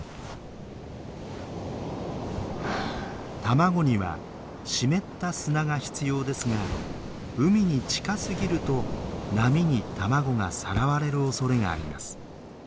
卵には湿った砂が必要ですが海に近すぎると波に卵がさらわれるおそれがあります。